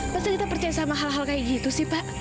pasti kita percaya sama hal hal kayak gitu sih pak